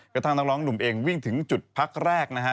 กระทั่งนักร้องหนุ่มเองวิ่งถึงจุดพักแรกนะฮะ